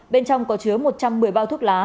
bên trong có chứa một trăm một mươi bao thuốc lá